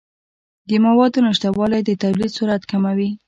د موادو نشتوالی د تولید سرعت کموي.